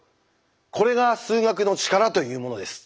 これが数学の力というものです。